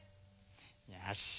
よし。